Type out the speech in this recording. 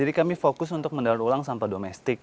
jadi kami fokus untuk mendalur ulang sampah domestik